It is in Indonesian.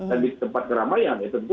dan di tempat keramaian ya tentu